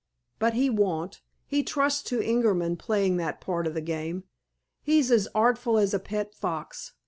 "But he won't. He trusts to Ingerman playing that part of the game. He's as artful as a pet fox.